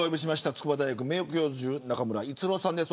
筑波大学名誉教授中村逸郎さんです